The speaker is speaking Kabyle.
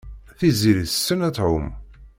Tiziri tessen ad tɛum.